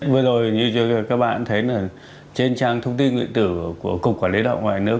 vừa rồi như các bạn thấy là trên trang thông tin nguyện tử của cục quản lý đạo ngoại nước